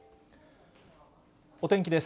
お天気です。